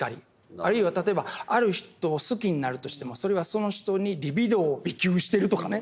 あるいは例えばある人を好きになるとしてもそれはその人にリビドーを備給してるとかね。